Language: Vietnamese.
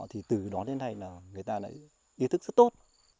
thì từ đó đến nay là người ta lại ý thức rất tốt